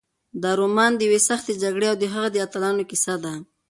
دا رومان د یوې سختې جګړې او د هغې د اتلانو کیسه ده.